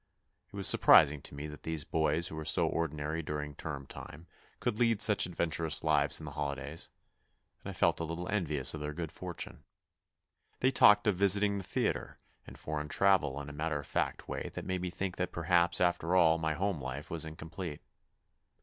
It was surprising to me that these boys who were so ordinary during term time should lead such adventurous lives in the holidays, and I felt a little envious of their good fortune. They talked of visiting the theatre and foreign travel in a matter of fact way that made me think that perhaps after all my home life was incomplete.